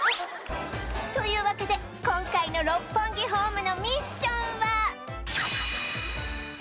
というわけで今回の六本木ホームのミッションは